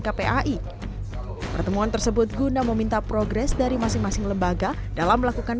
kpai pertemuan tersebut guna meminta progres dari masing masing lembaga dalam melakukan